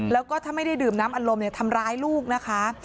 แล้วก็ถ้าไม่ได้ดื่มน้ำอารมณ์ทำร้ายลูกนะคะ